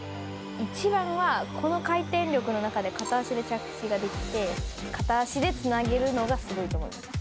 一番は、この回転力の中で片足で着地ができて、片足でつなげるのがすごいと思います。